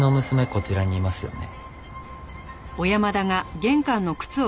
こちらにいますよね？